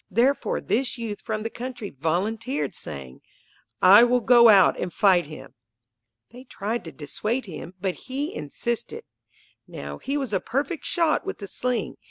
Therefore this youth from the country volunteered saying, "I will go out and fight him." They tried to dissuade him, but he insisted. Now he was a perfect shot with the sling.